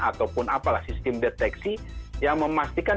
ataupun apalah sistem deteksi yang memastikan